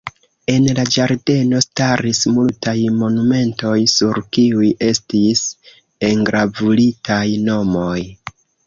En la ĝardeno staris multaj monumentoj, sur kiuj estis engravuritaj nomoj.